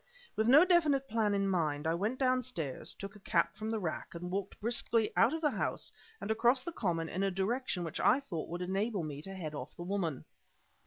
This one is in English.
With no definite plan in mind, I went downstairs, took a cap from the rack, and walked briskly out of the house and across the common in a direction which I thought would enable me to head off the woman.